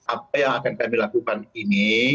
apa yang akan kami lakukan ini